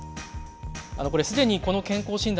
これ既にこの健康診断